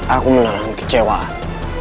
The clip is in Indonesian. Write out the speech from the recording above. aku menahan kecewaan